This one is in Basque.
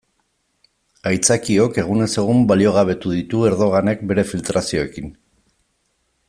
Aitzakiok egunez egun baliogabetu ditu Erdoganek bere filtrazioekin.